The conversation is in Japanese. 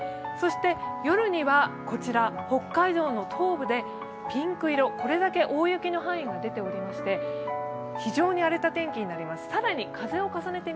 そして夜にはこちらら、北海道の東部でピンク色これだけ大雪の範囲が出ておりまして非常に荒れた天気になります。